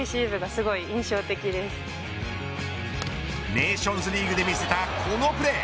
ネーションズリーグで見せたこのプレー。